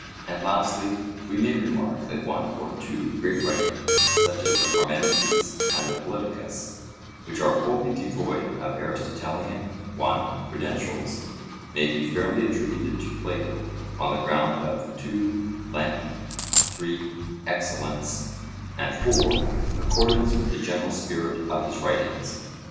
And lastly, we may remark that one or two great writings, such as the Parmenides and the Politicus, which are wholly devoid of Aristotelian (1) credentials may be fairly attributed to Plato, on the ground of (2) length, (3) excellence, and (4) accordance with the general spirit of his writings.